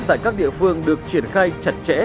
tại các địa phương được triển khai chặt chẽ